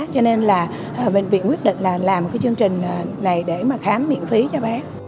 cho nên là bệnh viện quyết định là làm cái chương trình này để mà khám miễn phí cho bé